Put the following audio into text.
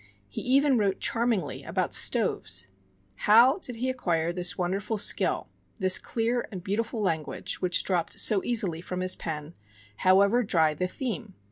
He even wrote charmingly about stoves! How did he acquire this wonderful skill, this clear and beautiful language which dropped so easily from his pen, however dry the theme?